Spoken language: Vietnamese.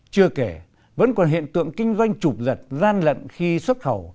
chưa kể vẫn còn hiện tượng kinh doanh trục giật gian lận khi xuất khẩu